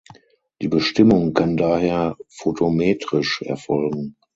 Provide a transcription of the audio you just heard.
Die Bestimmung kann daher photometrisch erfolgen.